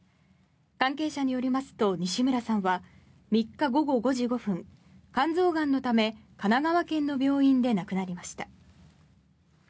関係者によりますと西村さんは３日午後５時５分肝臓がんのため神奈川県の病院で亡くなりました。